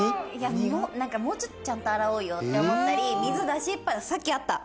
なんかもうちょっとちゃんと洗おうよって思ったり水出しっぱなしさっきあった。